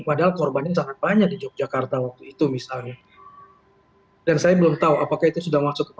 padahal korban sangat banyak di jogjakarta itu misalnya saya belum tahu apakah itu sudah masuk